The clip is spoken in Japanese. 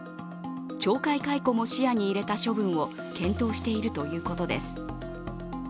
懲戒解雇も視野に入れた処分を検討しているということです。